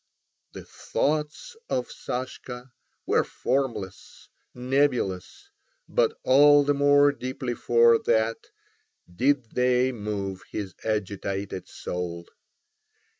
The thoughts of Sashka were formless, nebulous, but all the more deeply for that did they move his agitated soul.